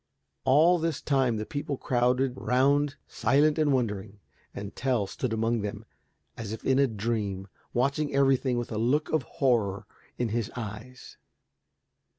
All this time the people crowded round silent and wondering, and Tell stood among them as if in a dream, watching everything with a look of horror in his eyes.